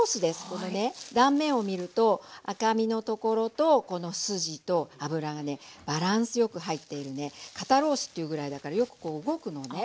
このね断面を見ると赤身のところとこの筋と脂がバランス良く入っているね肩ロースと言うぐらいだからよくこう動くのね。